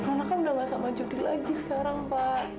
nona kan udah gak sama jodi lagi sekarang pak